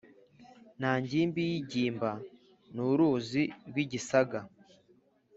Nta ngimbi iyigimba. Ni uruzi rw'igisaga